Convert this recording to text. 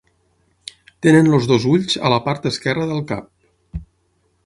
Tenen els dos ulls a la part esquerra del cap.